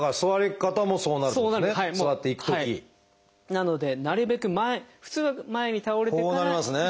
なのでなるべく前普通は前に倒れてからこうなりますね。